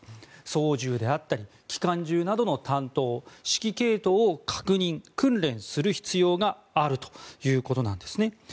操縦であったり機関銃などの担当指揮系統を確認・訓練する必要があるということです。